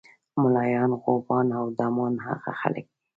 ملایان، غوبانه او ډمان هغه خلک دي.